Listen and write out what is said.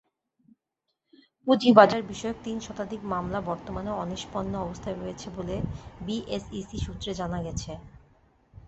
পুঁজিবাজারবিষয়ক তিন শতাধিক মামলা বর্তমানে অনিষ্পন্ন অবস্থায় রয়েছে বলে বিএসইসি সূত্রে জানা গেছে।